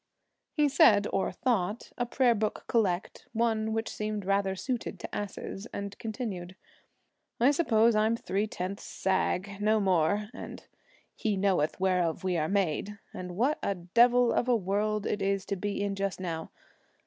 He said or thought a Prayer Book collect, one which seemed rather suited to asses, and continued, 'I suppose I'm three tenths sag no more; and "He knoweth whereof we are made," and what a devil of a world it is to be in just now.